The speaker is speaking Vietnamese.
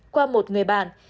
qua một người bạn